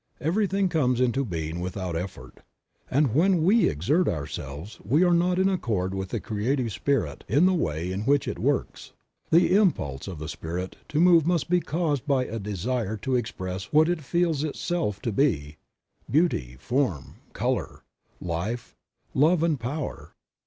Everything comes into being without effort, and when we exert ourselves we are not in accord with the Creative Spirit in the way in which It works. The impulse of the Spirit to move must be caused by a desire to express what It feels Itself to be — Beauty, Form, Color, Life, Love and Power.